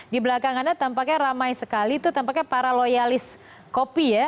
di belakang anda tampaknya ramai sekali itu tampaknya para loyalis kopi ya